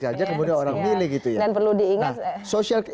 ya karena sudah mati